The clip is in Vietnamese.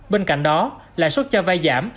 bên cạnh đó lãi suất cho vai giảm